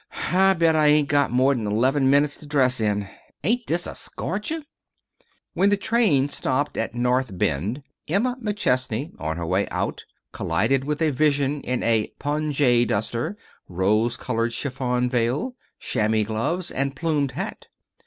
I bet I ain't got more than eleven minutes to dress in. Ain't this a scorcher!" When the train stopped at North Bend, Emma McChesney, on her way out, collided with a vision in a pongee duster, rose colored chiffon veil, chamois gloves, and plumed hat.